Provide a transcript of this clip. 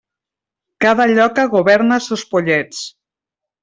Cada lloca governa sos pollets.